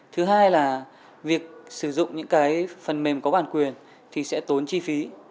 thứ hai là việc sử dụng những cái phần mềm có bản quyền thì sẽ tốn chi phí